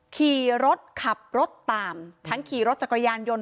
ขี่รถขับรถตามทั้งขี่รถจักรยานยนต์